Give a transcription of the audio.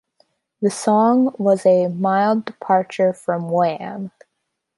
The song was a mild departure from Wham!